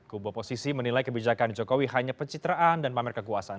kubu oposisi menilai kebijakan jokowi hanya pencitraan dan pamer kekuasaan